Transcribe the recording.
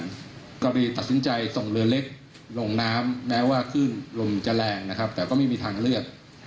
ก็ไปตัดสินใจส่งเรือเล็กลงน้ำแม้ว่าขึ้นลมจะแรงนะครับแต่ก็ไม่มีทางเลือก